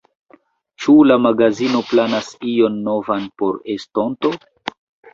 Ĉu la magazino planas ion novan por estonto?